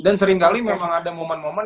dan seringkali memang ada momen momen